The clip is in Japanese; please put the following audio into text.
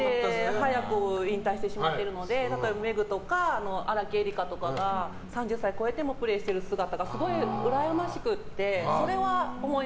早く引退してしまってるので例えばメグとか荒木絵里香とかが３０歳超えてもプレーしている姿がすごいうらやましくて。